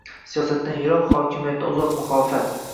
Siyosatdan yiroq, hokimiyatdan uzoq muxolifat